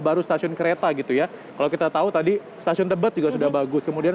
baru stasiun kereta gitu ya kalau kita tahu tadi stasiun tebet juga sudah bagus kemudian